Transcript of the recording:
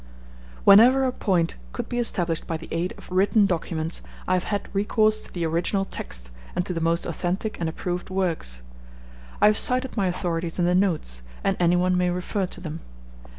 Whenever a point could be established by the aid of written documents, I have had recourse to the original text, and to the most authentic and approved works. I have cited my authorities in the notes, and anyone may refer to them.